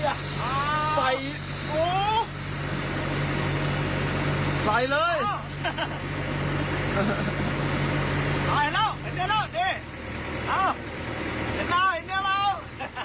อ้าวเห็นมั้ยแล้วเห็นมั้ยแล้วดิอ้าวเห็นมั้ยเห็นมั้ยแล้ว